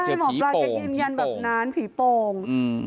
เจอผีโป่งผีโป่งใช่หมอพระราชกายืนยันแบบนั้นผีโป่ง